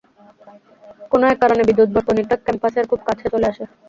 কোনো এক কারণে বিদ্যুৎ বর্তনীটা কম্পাসের খুব কাছে চলে আসে।